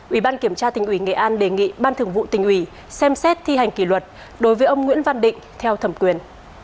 ubktq nghệ an đề nghị ban thường vụ tình ủy xem xét thi hành kỷ luật đối với ông nguyễn văn định theo thẩm quyền